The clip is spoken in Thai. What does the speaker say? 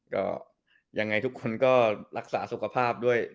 ก็ยังไงทุกคนก็รักษาสุขภาพด้วย